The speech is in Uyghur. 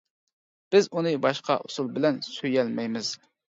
بىز ئۇنى باشقا ئۇسۇل بىلەن سۆيەلمەيمىز.